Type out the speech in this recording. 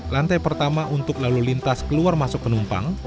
lantai pertama untuk lalu lintas keluar masuk penumpang